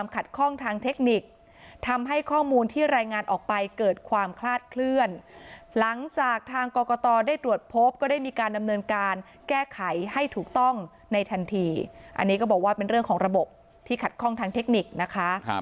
ก็ได้มีการดำเนินการแก้ไขให้ถูกต้องในทันทีอันนี้ก็บอกว่าเป็นเรื่องของระบบที่ขัดข้องทางเทคนิคนะคะ